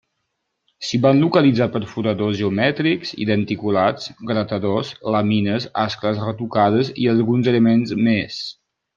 Si van localitzar perforadors geomètrics i denticulats, gratadors, lamines, ascles retocades i alguns elements més.